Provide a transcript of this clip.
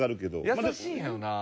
優しいよな。